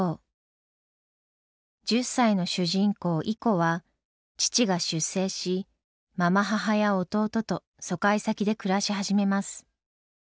１０歳の主人公イコは父が出征しまま母や弟と疎開先で暮らし始めます。